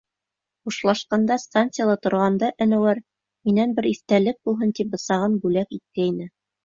— Хушлашҡанда, станцияла торғанда Әнүәр, минән бер иҫтәлек булһын, тип бысағын бүләк иткәйне.